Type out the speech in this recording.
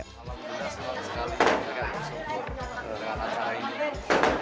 alhamdulillah selamat sekali